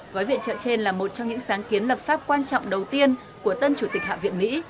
gói viện trợ trên là một trong những sáng kiến lập pháp quan trọng đầu tiên của tân chủ tịch hạ viện mỹ